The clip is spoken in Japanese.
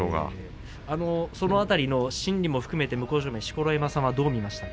その辺りの心理も含めて向正面、錣山さんはどう思いましたか？